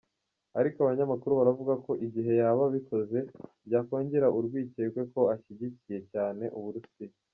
Ariko abanyamakuru baravuga ko igihe yaba abikoze, byakongera urwicyekwe ko ashyigikiye cyane Uburusiya.